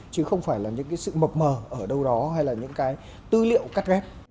chứ không phải là những cái sự mập mờ ở đâu đó hay là những cái tư liệu cắt ghép